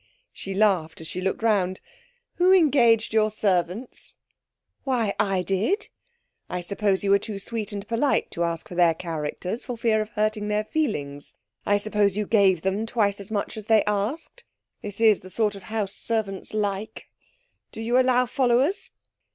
She laughed as she looked round. 'Who engaged your servants?' 'Why, I did.' 'I suppose you were too sweet and polite to ask for their characters, for fear of hurting their feelings? I suppose you gave them twice as much as they asked? This is the sort of house servants like. Do you allow followers?'